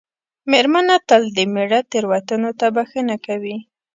مېرمنه تل د مېړه تېروتنو ته بښنه کوي.